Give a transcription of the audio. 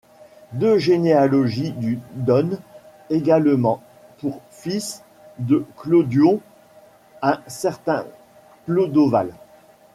Deux généalogies du donnent également pour fils de Clodion, un certain Clodovald.